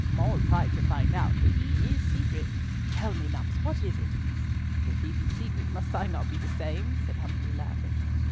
Mall tried to find out, but he is secret. Tell me, Numps, what is it?" "If he be secret, must not I be the same?" said Humfrey, laughing.